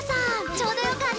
ちょうどよかった。